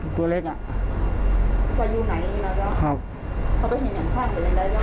ที่นางเจนเจราะเทพิลนะครับ